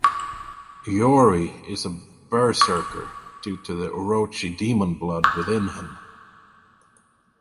Iori is a berserker due to the Orochi demon blood within him.